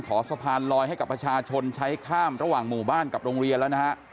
สะพานลอยให้กับประชาชนใช้ข้ามระหว่างหมู่บ้านกับโรงเรียนแล้วนะฮะ